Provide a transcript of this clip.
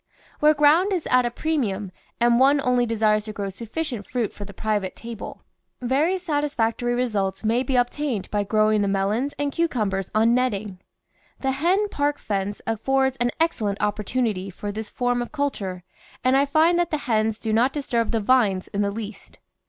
Where ground is at a premium and one only desires to grow sufficient fruit for the private table, very satisfactory results may be obtained by grow ing the melons and cucumbers on netting. The hen park fence affords an excellent opportunity for this form of culture, and I find that the hens do not disturb the vines in the least.